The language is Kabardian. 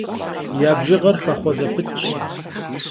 ya bjjığer xexhue zepıtş.